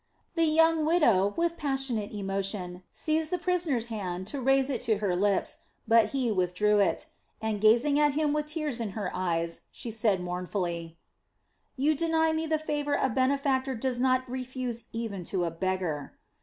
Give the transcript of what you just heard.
The young widow, with passionate emotion, seized the prisoner's hand to raise it to her lips, but he withdrew it; and, gazing at him with tears in her eyes, she said mournfully: "You deny me the favor a benefactor does not refuse even to a beggar."